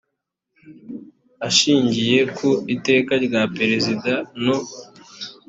ashingiye ku iteka rya perezida no